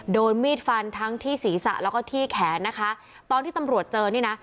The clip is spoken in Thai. โดนมีดฟันทั้งที่ศีรษะแล้วก็ที่แขนนะคะตอนที่ตำรวจเจอนี่นะ